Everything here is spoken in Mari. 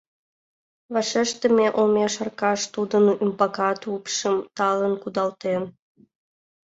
Вашештыме олмеш Аркаш тудын ӱмбакат упшым талын кудалтен.